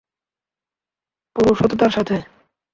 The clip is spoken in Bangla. পুরো সততার সাথে!